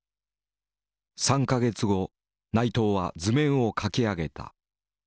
３か月後内藤は図面を描き上げた。